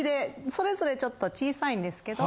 それぞれちょっと小さいんですけど。